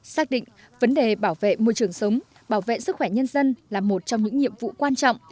xác định vấn đề bảo vệ môi trường sống bảo vệ sức khỏe nhân dân là một trong những nhiệm vụ quan trọng